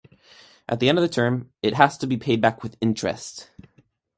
At the end of the term, it has to be paid back with interest.